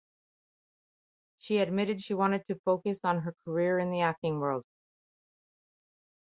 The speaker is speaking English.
She admitted that she wanted to focus on her career in the acting world.